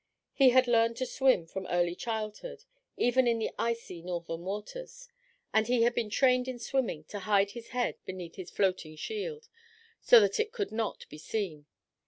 He had learned to swim, from early childhood, even in the icy northern waters, and he had been trained in swimming to hide his head beneath his floating shield, so that it could not be seen.